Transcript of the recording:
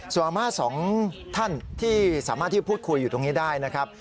ส่วนอาม่าสองท่านที่สามารถที่พูดคุยอยู่ตรงนี้ได้นะครับ